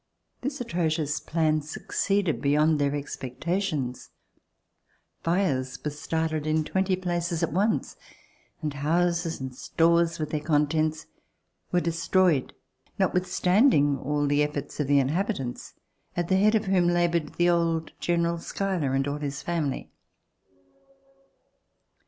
This atrocious plan succeeded beyond their expectations. Fires were started in twenty places at once, and houses and stores, with their contents, were destroyed, notwithstanding the efi"orts of the inhabitants, at the head of whom labored the old General Schuyler, and all his family.